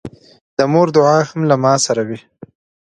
د مور دعا هم له ما سره وي.